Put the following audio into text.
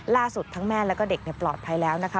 ล่าสุดทั้งแม่และเด็กปลอดภัยแล้วนะคะ